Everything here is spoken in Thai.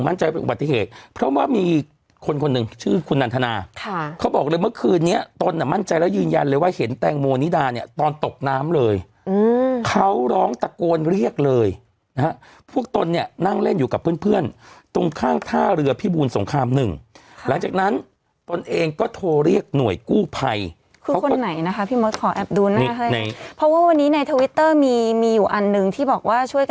มั่นใจเป็นอุบัติเหตุเพราะว่ามีคนคนหนึ่งชื่อคุณนันทนาเขาบอกเลยเมื่อคืนนี้ต้นมั่นใจแล้วยืนยันเลยว่าเห็นแตงโมนิดาเนี่ยตอนตกน้ำเลยเขาร้องตะโกนเรียกเลยพวกตนเนี่ยนั่งเล่นอยู่กับเพื่อนตรงข้างท่าเรือพี่บูนสงครามหนึ่งหลังจากนั้นตนเองก็โทรเรียกหน่วยกู้ภัยคุณคนไหนนะคะพี่มศขอแอบดูหน้าให้เพราะ